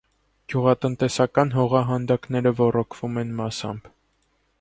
Գյուղատնտեսական հողահանդակները ոռոգվում են մասամբ։